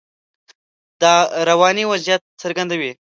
دا رواني وضعیت څرګندوي.